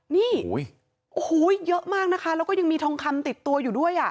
นี่โอ้โหเยอะมากนะคะแล้วก็ยังมีทองคำติดตัวอยู่ด้วยอ่ะ